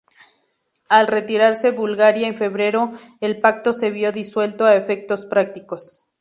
Al retirarse Bulgaria en febrero, el Pacto se vio disuelto a efectos prácticos.